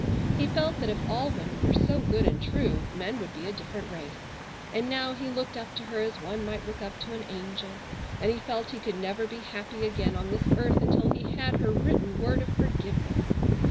He felt that if all women were so good and true men would be a different race, and now he looked up to her as one might look up to an angel, and he felt he could never be happy again on this earth until he had her written word of forgiveness.